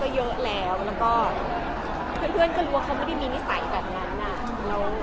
ใช่แล้วเพื่อนก็รู้ว่าเขาไม่ได้มิสัยแบบนั้น